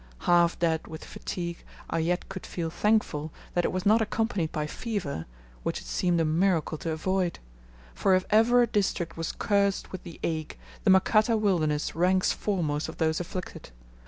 Half dead with fatigue, I yet could feel thankful that it was not accompanied by fever, which it seemed a miracle to avoid; for if ever a district was cursed with the ague, the Makata wilderness ranks foremost of those afflicted.